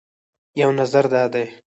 یو نظر دا دی